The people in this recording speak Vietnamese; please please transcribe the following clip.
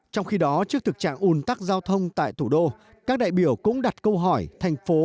trong khi đó trước tự trạng ồn tắc giao thông tại thủ đô các đại biểu cũng đặt câu hỏi thành phố đã ra làm gì